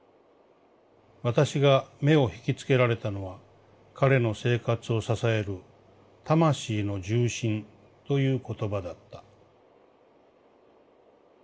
私が眼を引きつけられたのは彼の生活を支える『魂の重心』という言葉だった」。